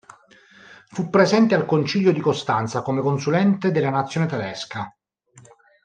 Fu presente al Concilio di Costanza come consulente della nazione tedesca.